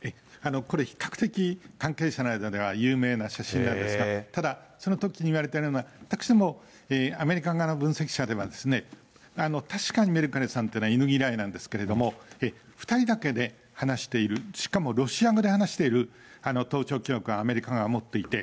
これ、比較的関係者の間では有名な写真なんですが、ただ、そのときに言われてるのは、私ども、アメリカ側の分析者では、確かにメルケルさんって犬嫌いなんですけれども、２人だけで話している、しかもロシア語で話している盗聴記録、アメリカ側が持っていて、